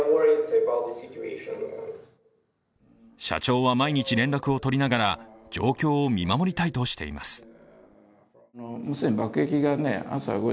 社長は毎日連絡を取りながら状況を見守りたいとしています。